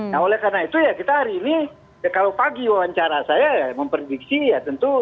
nah oleh karena itu ya kita hari ini kalau pagi wawancara saya memprediksi ya tentu